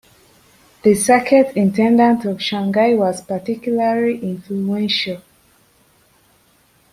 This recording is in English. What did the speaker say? The circuit intendant of Shanghai was particularly influential.